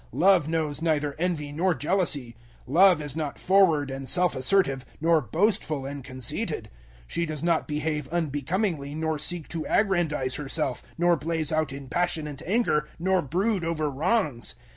Love knows neither envy nor jealousy. Love is not forward and self assertive, nor boastful and conceited. 013:005 She does not behave unbecomingly, nor seek to aggrandize herself, nor blaze out in passionate anger, nor brood over wrongs.